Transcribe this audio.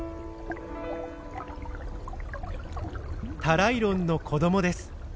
タライロンの子どもです。